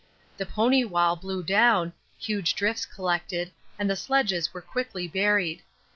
The pony wall blew down, huge drifts collected, and the sledges were quickly buried.